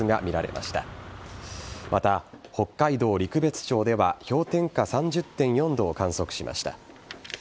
また北海道陸別町では氷点下３０．４度を観測しました。